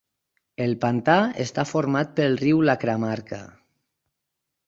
El pantà està format pel riu Lacramarca.